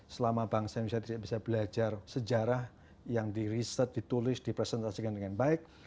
selama bangsa indonesia tidak bisa belajar sejarah yang di research di tulis di presentasikan dengan baik